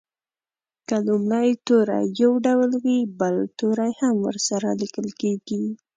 که لومړی توری یو ډول وي بل توری هم ورسره لیکل کیږي.